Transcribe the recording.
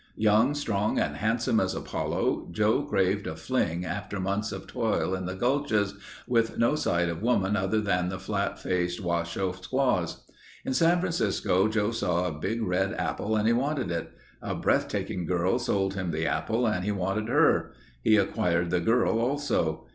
Young, strong, and handsome as Apollo, Joe craved a fling after months of toil in the gulches with no sight of woman other than the flat faced Washoe squaws. In San Francisco Joe saw a big red apple and he wanted it. A breath taking girl sold him the apple and he wanted her. He acquired the girl also.